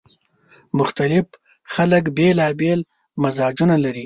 مختلف خلک بیلابېل مزاجونه لري